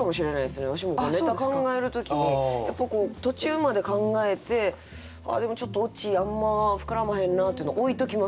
わしもネタ考える時にやっぱりこう途中まで考えてああでもちょっとオチあんま膨らまへんなっていうのは置いときますもん。